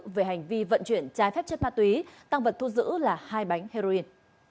về hành vi vận chuyển trái phép chất ma túy tăng vật thu giữ là hai bánh heroin